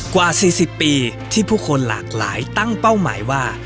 กว่า๔๐ปีที่ผู้คนหลากหลายตั้งเป้าหมายว่า